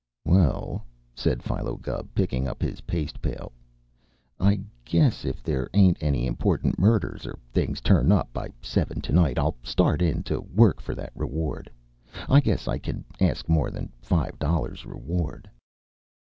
"Well," said Philo Gubb, picking up his paste pail, "I guess if there ain't any important murders or things turn up by seven to night, I'll start in to work for that reward. I guess I can't ask more than five dollars reward."